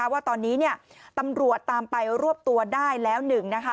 ว่าตอนนี้ตำรวจตามไปรวบตัวได้แล้ว๑